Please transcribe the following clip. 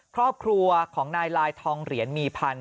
ครอบครัวของนายลายทองเหรียญมีพันธ